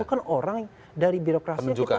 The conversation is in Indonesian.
bukan orang dari birokrasi